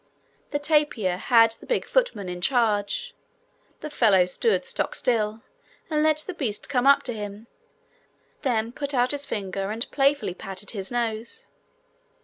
The tapir had the big footman in charge: the fellow stood stock still, and let the beast come up to him, then put out his finger and playfully patted his nose.